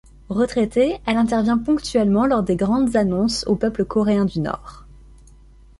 Retraitée, elle intervient ponctuellement lors des grandes annonces au peuple coréen du Nord.